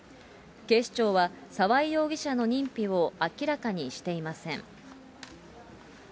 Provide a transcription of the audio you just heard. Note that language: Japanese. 警視庁は沢井容疑者の認否を明らかにしていません。